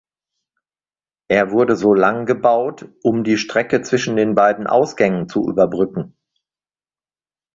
Er wurde so lang gebaut, um die Strecke zwischen den beiden Ausgängen zu überbrücken.